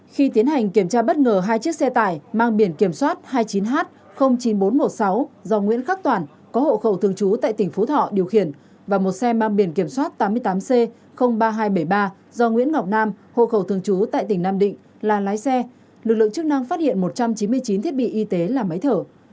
khi tiến hành kiểm tra bất ngờ hai chiếc xe tải mang biển kiểm soát hai mươi chín h chín nghìn bốn trăm một mươi sáu do nguyễn khắc toản có hộ khẩu thường trú tại tỉnh phú thọ điều khiển và một xe mang biển kiểm soát tám mươi tám c ba nghìn hai trăm bảy mươi ba do nguyễn ngọc nam hộ khẩu thường trú tại tỉnh nam định là lái xe lực lượng chức năng phát hiện một trăm chín mươi chín thiết bị y tế là máy thở